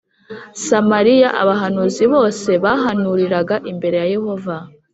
Samariya Abahanuzi bose bahanuriraga imbere ya yehova